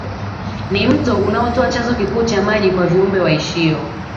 Ni mto unaotoa chanzo kikuu cha maji kwa viumbe waishio